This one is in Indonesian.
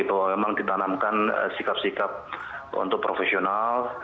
bahwa memang ditanamkan sikap sikap untuk profesional